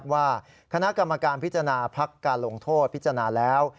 ว่าคณะกรรมการพิจารณาพักการลงโทษพิจารณาแล้ว